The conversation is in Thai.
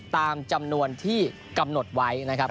ตามจำนวนที่กำหนดไว้นะครับ